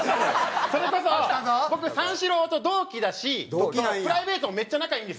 それこそ僕三四郎と同期だしプライベートもめっちゃ仲いいんですよ。